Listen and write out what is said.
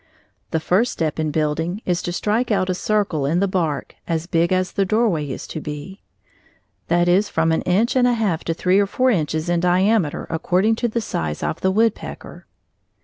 The first step in building is to strike out a circle in the bark as large as the doorway is to be; that is, from an inch and a half to three or four inches in diameter according to the size of the woodpecker.